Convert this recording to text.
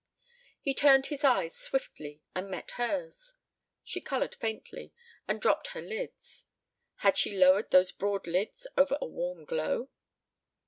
He turned his eyes swiftly and met hers. She colored faintly and dropped her lids. Had she lowered those broad lids over a warm glow?